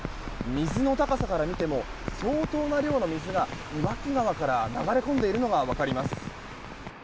水の高さから見ても相当な量の水が岩木川から流れ込んでいるのが分かります。